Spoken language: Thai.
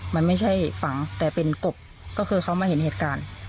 มันไม่ใช่ฝังแต่เป็นกบก็คือเขามาเห็นเหตุการณ์